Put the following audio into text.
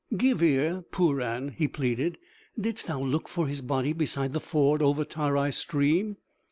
"Give ear, Puran," he pleaded. "Didst thou look for his body beside the ford over Tarai stream?"